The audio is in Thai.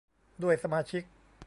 ด้วยสมาชิก